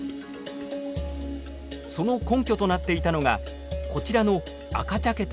その根拠となっていたのがこちらの赤茶けた地層。